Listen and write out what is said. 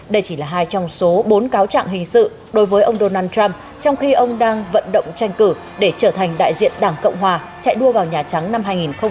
đây chỉ là hai trong số bốn cáo trạng hình sự đối với ông donald trump trong khi ông đang vận động tranh cử để trở thành đại diện đảng cộng hòa chạy đua vào nhà trắng năm hai nghìn hai mươi